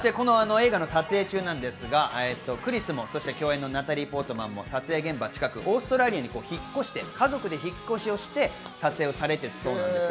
映画の撮影中ですが、クリスもそして共演のナタリー・ポートマンも撮影現場近く、オーストラリアに引っ越して家族で引っ越しをして撮影されたそうです。